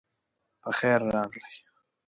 پخير راغلئ